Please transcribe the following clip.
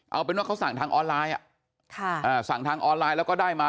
เอาเป็นว่าเขาสั่งทางออนไลน์สั่งทางออนไลน์แล้วก็ได้มา